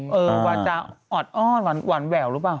เห็นนะเออวาจารย์ออดอ้อนหวานแหววรู้เปล่า